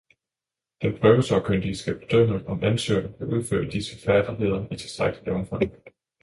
Den prøvesagkyndige skal bedømme, om ansøgeren kan udføre disse færdigheder i tilstrækkeligt omfang